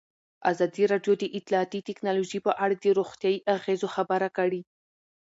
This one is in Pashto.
ازادي راډیو د اطلاعاتی تکنالوژي په اړه د روغتیایي اغېزو خبره کړې.